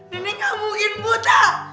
nenek gak mungkin buta